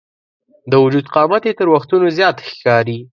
د وجود قامت یې تر وختونو زیات ښکاري.